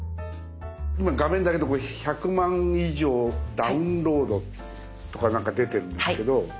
今画面だけど１００万以上ダウンロードとかなんか出てるんですけど。